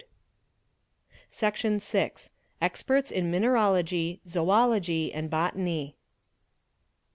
Section vi.—Experts in Mineralogy, Zoology, and Botany.